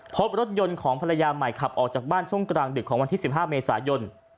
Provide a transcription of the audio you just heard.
พบรถยนต์ของภรรยาใหม่ขับออกจากบ้านช่วงกลางดึกของวันที่๑๕เมษายน